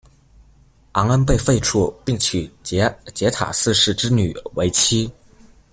昂恩被废黜，并娶杰·杰塔四世之女为妻。